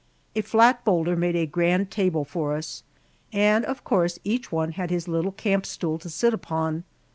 A flat boulder made a grand table for us, and of course each one had his little camp stool to sit upon.